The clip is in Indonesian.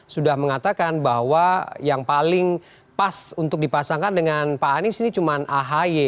sudah mengatakan bahwa yang paling pas untuk dipasangkan dengan pak anies ini cuma ahy